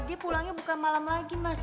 dia pulangnya buka malam lagi mas